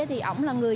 thì ông là một người